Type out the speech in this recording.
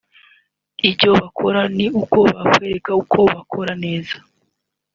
Icyo bakora ni uko bakwereka ko babikora neza